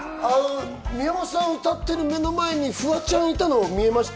宮本さんが歌ってる目の前にフワちゃんいたの見えました？